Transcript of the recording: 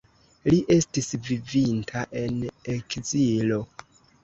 Li estis vivinta en ekzilo.